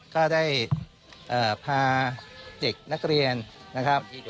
ก็ได้พาเด็กนักเรียนนะครับ